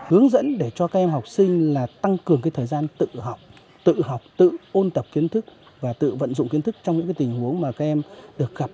hướng dẫn để cho các em học sinh là tăng cường thời gian tự học tự học tự ôn tập kiến thức và tự vận dụng kiến thức trong những tình huống mà các em được gặp